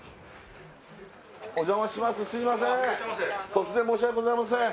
突然申し訳ございません